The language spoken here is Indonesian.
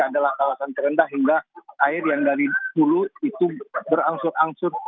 adalah kawasan terendah hingga air yang dari hulu itu berangsur angsur